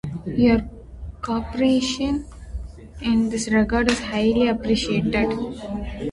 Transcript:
She was the fifth of Fred and Evelyn Coachman's ten children.